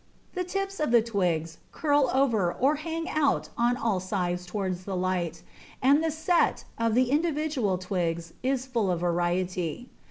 The tips of the twigs curl over or hang out on all sides towards the light, and the "set" of the individual twigs is full of variety.